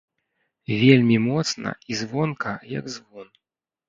Вельмі моцна і звонка, як звон.